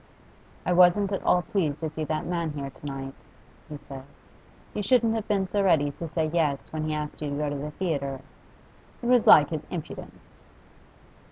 'I wasn't at all pleased to see that man here to night,' he said. 'You shouldn't have been so ready to say yes when he asked you to go to the theatre. It was like his impudence!